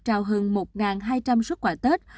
trao hơn một hai trăm linh suất quà tết